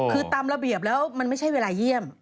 คือตามระเบียบแล้วมันไม่ใช่เวลาเยี่ยม